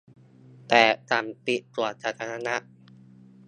แต่สั่งปิดสวนสาธารณะ